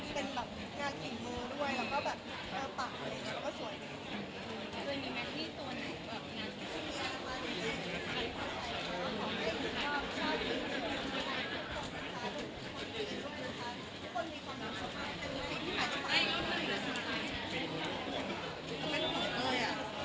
โดยโดยโดยโดย